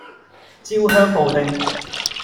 焦香布丁